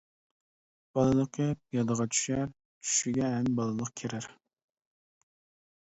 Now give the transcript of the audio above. بالىلىقى يادىغا چۈشەر، چۈشىگە ھەم بالىلىق كىرەر.